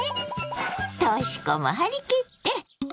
とし子も張り切って。